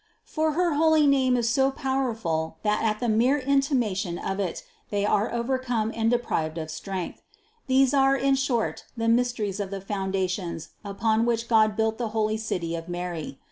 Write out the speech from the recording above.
For her holy name is so powerful that at the mere intimation of it, they are overcome and de prived of strength. These are in short the mysteries of the foundations upon which God built the holy City of Mary.